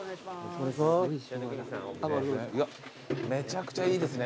うわめちゃくちゃいいですね。